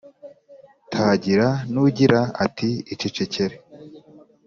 tagira n’ugira ati icecekere !